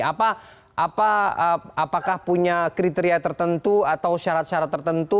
apakah punya kriteria tertentu atau syarat syarat tertentu